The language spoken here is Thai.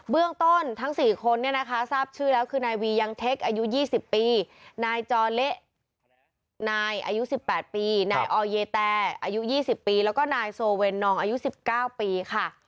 เบื้องต้นทั้งสี่คนเนี่ยนะคะ